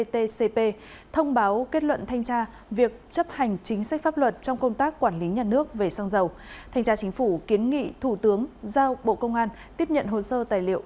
thành tra chính phủ kiến nghị thủ tướng giao bộ công an tiếp nhận hồ sơ tài liệu